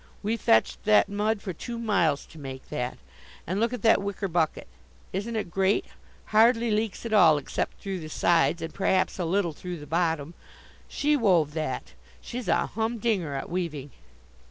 We fetched that mud for two miles to make that. And look at that wicker bucket. Isn't it great? Hardly leaks at all except through the sides, and perhaps a little through the bottom. She wove that. She's a humdinger at weaving."